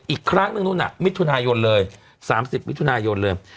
อีกครั้งนึงมิทรุนายนเลยสามสิบมิทรุนายนเลย